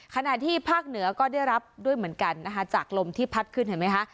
ขณะที่ภาคเหนือก็ได้รับด้วยเหมือนกันนะคะจากลมที่พัดขึ้นเห็นไหมคะ